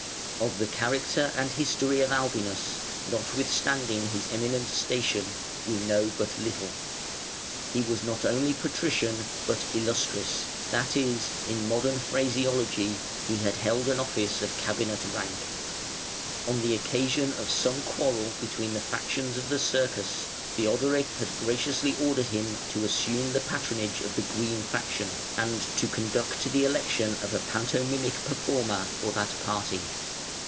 Of the character and history of Albinus, notwithstanding his eminent station, we know but little. He was not only Patrician, but Illustris that is, in modern phraseology, he had held an office of cabinet rank. On the occasion of some quarrel between the factions of the Circus, Theodoric had graciously ordered him to assume the patronage of the Green Faction, and to conduct the election of a pantomimic performer for that party.